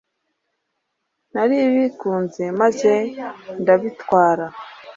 narabikunze maze ndabitwara